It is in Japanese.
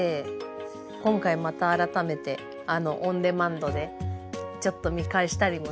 今回また改めてオンデマンドでちょっと見返したりもして。